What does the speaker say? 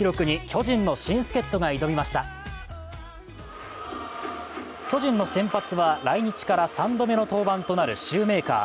巨人の先発は来日から３度目の登板となるシューメーカー。